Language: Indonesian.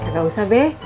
gak usah be